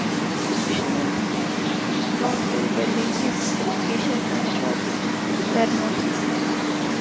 Krishnan did not do well in his education and jobs were not easy.